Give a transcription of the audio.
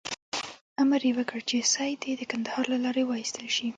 امر یې وکړ چې سید دې د کندهار له لارې وایستل شي.